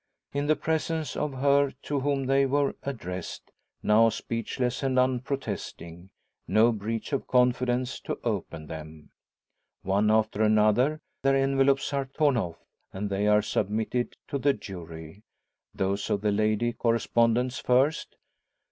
In the presence of her to whom they were addressed now speechless and unprotesting no breach of confidence to open them. One after another their envelopes are torn off, and they are submitted to the jury those of the lady correspondents first.